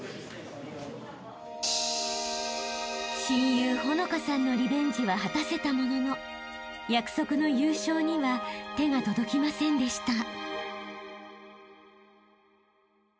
［親友帆乃花さんのリベンジは果たせたものの約束の優勝には手が届きませんでした］